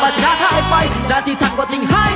มาช้าท้ายไปนาทีทักกว่าทิ้งไห้